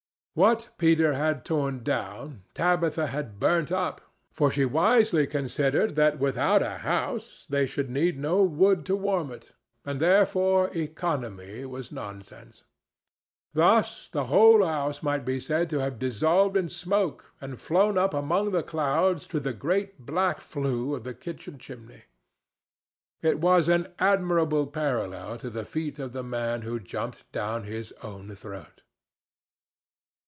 What Peter had torn down, Tabitha had burnt up, for she wisely considered that without a house they should need no wood to warm it, and therefore economy was nonsense. Thus the whole house might be said to have dissolved in smoke and flown up among the clouds through the great black flue of the kitchen chimney. It was an admirable parallel to the feat of the man who jumped down his own throat.